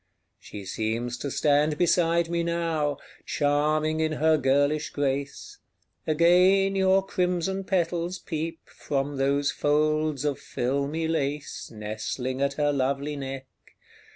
She seems to stand beside me now, Charming in her girlish grace; Again your crimson petals peep From those folds of filmy lace Nestling at her lovely neck.